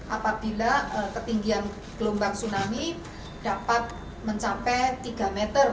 apabila ketinggian gelombang tsunami dapat mencapai tiga meter